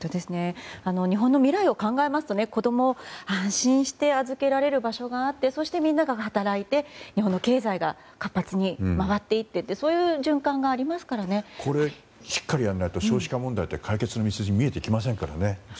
日本の未来を考えますと子供を安心して預けられる場所があって、そしてみんなが働いて日本の経済が活発に回っていってというこれをしっかりやらないと少子化問題って解決への道筋見えてきませんからね。